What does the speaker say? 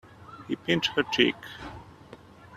He pinched her cheek.